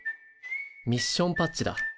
ミッションパッチだ。